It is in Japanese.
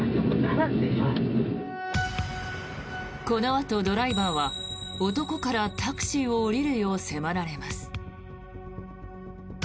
このあとドライバーは男からタクシーを降りるよう迫られます。